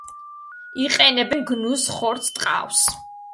იყენებენ გნუს ხორცს, ტყავს.